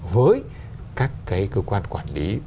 với các cái cơ quan quản lý